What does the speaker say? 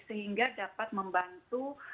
sehingga dapat membantu